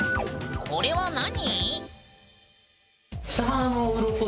これは何？